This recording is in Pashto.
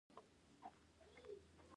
تاریخ د ظلم پر وړاندې پاڅون دی.